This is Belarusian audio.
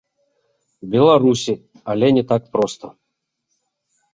Беларусі, але не так проста.